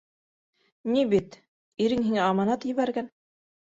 Ни бит, ирең һиңә аманат ебәргән.